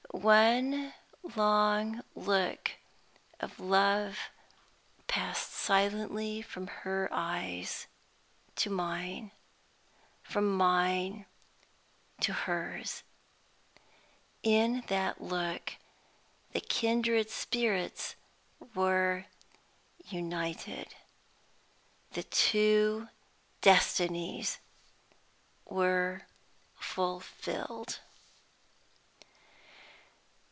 One long look of love passed silently from her eyes to mine from mine to hers. In that look the kindred spirits were united; The Two Destinies were fulfilled.